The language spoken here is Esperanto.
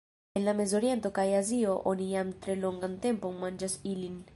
En la Mezoriento kaj Azio oni jam tre longan tempon manĝas ilin.